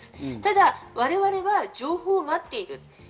ただ我々は情報を待っている。